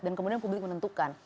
dan kemudian publik menentukan